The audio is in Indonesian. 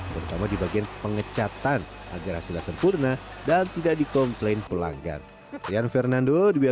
terutama di bagian pengecatan agar hasilnya sempurna dan tidak dikomplain pelanggan